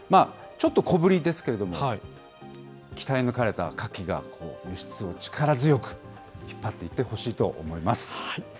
ちょっと小ぶりですけれども、鍛え抜かれたカキが輸出を力強く引っ張っていってほしいと思いま